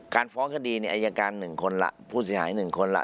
การฟ้องคดีเนี่ยอัยการ๑คนละผู้เสียหาย๑คนละ